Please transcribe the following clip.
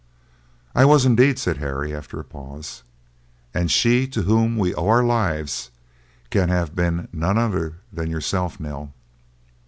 "I was indeed," said Harry, after a pause, "and she to whom we owe our lives can have been none other than yourself, Nell!"